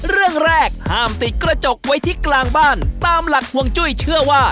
เรื่องแรกห้ามติดกระจกไว้ที่กลางบ้านตามหลักห่วงจุ้ยเชื่อว่า